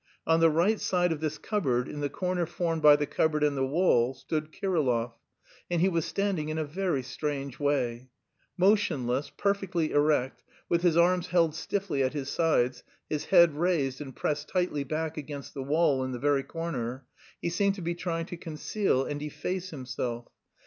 On the right side of this cupboard, in the corner formed by the cupboard and the wall, stood Kirillov, and he was standing in a very strange way; motionless, perfectly erect, with his arms held stiffly at his sides, his head raised and pressed tightly back against the wall in the very corner, he seemed to be trying to conceal and efface himself.